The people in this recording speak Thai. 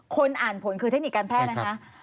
คนอ่านผลคือเทคนิคการแพทย์นะคะ